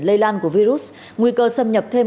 lây lan của virus nguy cơ xâm nhập thêm